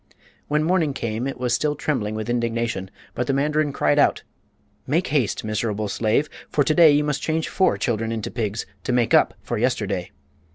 When morning came it was still trembling with indignation; but the mandarin cried out: "Make haste, miserable slave; for to day you must change four children into pigs, to make up for yesterday."